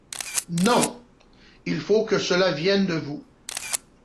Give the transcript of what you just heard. Non ! il faut que cela vienne de vous…